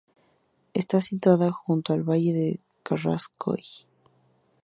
Está situada junto al valle de Carrascoy.